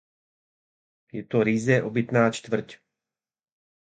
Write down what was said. Je to ryze obytná čtvrť.